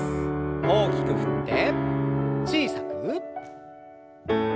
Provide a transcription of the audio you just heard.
大きく振って小さく。